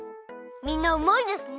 みんなうまいですね。